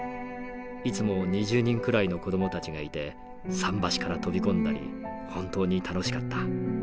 いつも２０人くらいの子どもたちがいて桟橋から飛び込んだり本当に楽しかった。